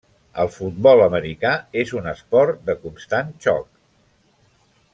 El futbol americà és un esport de constant xoc.